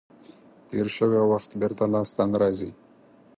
تیر شوی وخت بېرته لاس ته نه راځي.